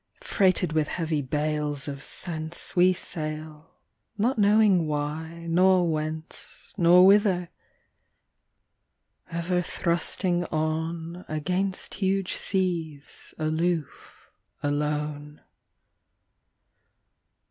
Freighted with heavy bales of sense We sail, not knowing why, nor whence. Nor whither ... ever thrusting on Against huge seas, aloof, alone.